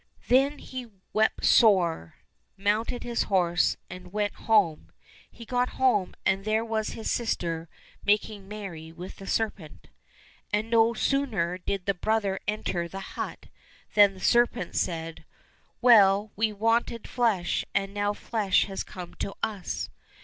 Then he wept sore, mounted his horse, and went home. He got home, and there was his sister making merry with the serpent. And no sooner did the brother enter the hut than the serpent said, " Well, we wanted flesh, and now flesh has come to us